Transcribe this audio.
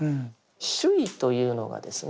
「守意」というのがですね